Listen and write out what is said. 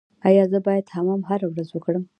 ایا زه باید حمام هره ورځ وکړم؟